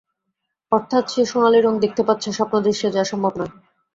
অথাৎ সে সোনালি রঙ দেখতে পাচ্ছে, স্বপ্ন দৃশ্যে যা সম্ভব নয়।